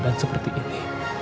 dan seperti ini